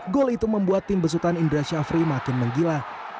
gol itu membuat tim besutan indra syafri makin menggila